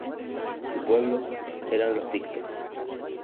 Su pueblo eran los pictos.